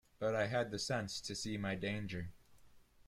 But I had the sense to see my danger.